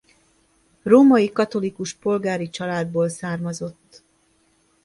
Római katolikus polgári családból származott.